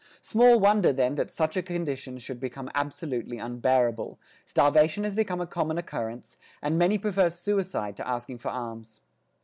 Small wonder, then, that such a condition should become absolutely unbearable; starvation has become a common occurrence, and many prefer suicide to asking for alms.